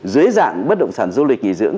dưới dạng bất động sản du lịch nghỉ dưỡng